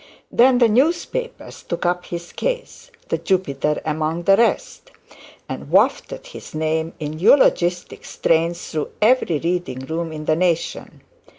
Then the newspapers took up his case, the Jupiter among the rest, and wafted his name in eulogistic strains through every reading room in the nation.